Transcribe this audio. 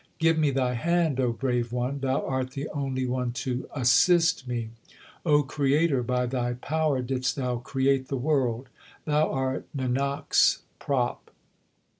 Give me Thy hand, O Brave One, Thou art the only one to assist me. O Creator, by Thy power didst Thou create the world ; Thou art Nanak s prop.